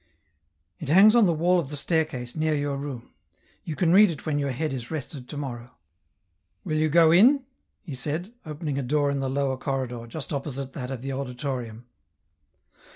" It hangs on the wall of the staircase, near your room ; you can read it when your head is rested to morrow. Will you go in ?" he said, opening a door in the lower corridor, just opposite that of the auditorium.